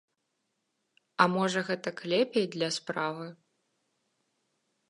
А можа, гэтак лепей для справы?